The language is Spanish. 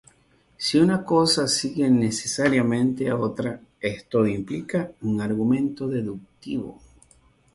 Si una cosa sigue necesariamente a otra, esto implica un argumento deductivo.